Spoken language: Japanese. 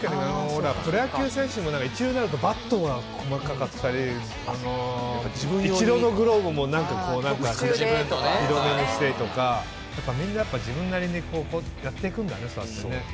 プロ野球選手も、一流になるとバットが細かかったり、イチローのグローブも、いろいろしたり、みんな自分なりにやっていくんですね。